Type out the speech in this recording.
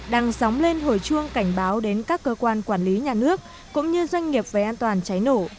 đang sóng lên hồi chuông cảnh báo đến các cơ quan quản lý nhà nước cũng như doanh nghiệp về an toàn cháy nổ